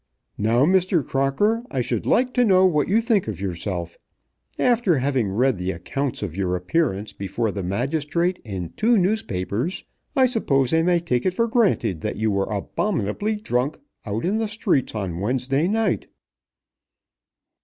"Now, Mr. Crocker, I should like to know what you think of yourself. After having read the accounts of your appearance before the magistrate in two newspapers, I suppose I may take it for granted that you were abominably drunk out in the streets on Wednesday night."